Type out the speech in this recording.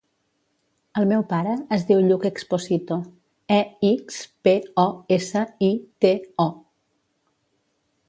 El meu pare es diu Lluc Exposito: e, ics, pe, o, essa, i, te, o.